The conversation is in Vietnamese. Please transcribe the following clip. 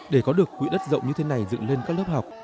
để có được quỹ đất rộng như thế này dựng lên các lớp học